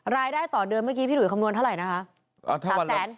รายได้ต่อเดือนเมื่อกี้พี่หุยคำนวณเท่าไหร่นะคะ